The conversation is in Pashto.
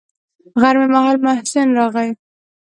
غرمې مهال محسن راغى.